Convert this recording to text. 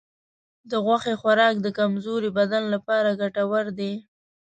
د غوښې خوراک د کمزورې بدن لپاره ګټور دی.